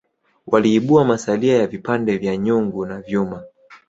waliibua masalia ya vipande vya vyungu na vyuma